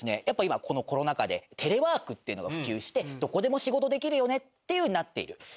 やっぱり今このコロナ禍でテレワークっていうのが普及してどこでも仕事できるよねっていう風になっている。